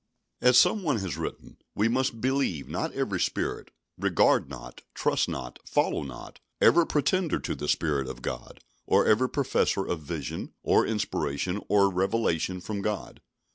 As some one has written, we must "Believe not every spirit; regard not, trust not, follow not, every pretender to the Spirit of God, or every professor of vision, or inspiration, or revelation from God."